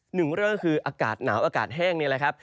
หนึ่งเรื่องก็คืออากาศหนาวอากาศแห้งนี่แหละครับ